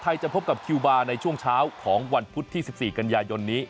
จะพบกับคิวบาร์ในช่วงเช้าของวันพุธที่๑๔กันยายนนี้